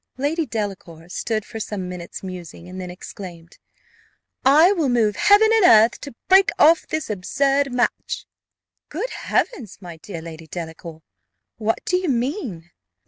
Lady Delacour stood for some minutes musing, and then exclaimed, "I will move heaven and earth to break off this absurd match." "Good Heavens! my dear Lady Delacour, what do you mean?"